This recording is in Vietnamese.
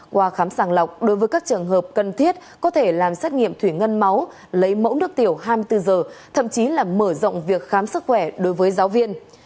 qua khám sàng lọc đối với các trường hợp cần thiết có thể làm xét nghiệm thủy ngân máu lấy mẫu nước tiểu hai mươi bốn giờ thậm chí là mở rộng việc khám sức khỏe đối với giáo viên